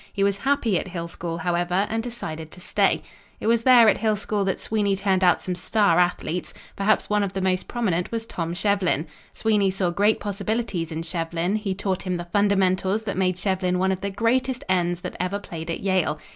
He was happy at Hill School, however, and decided to stay. It was there at Hill School that Sweeney turned out some star athletes. Perhaps one of the most prominent was Tom Shevlin. Sweeney saw great possibilities in Shevlin. He taught him the fundamentals that made Shevlin one of the greatest ends that ever played at Yale.